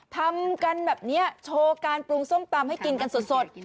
ทำกันแบบนี้โชว์การปรุงส้มตำให้กินกันสด